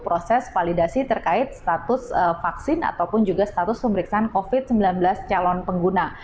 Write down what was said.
proses validasi terkait status vaksin ataupun juga status pemeriksaan covid sembilan belas calon pengguna